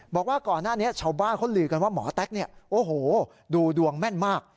บอกว่าก่อนหน้านี้ชาวบ้านคนหลีกันว่าหมอแต๊กดูดวงแม่นมาก